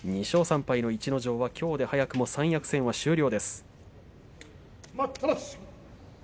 ２勝３敗の逸ノ城はきょうで早くも三役戦は終了です。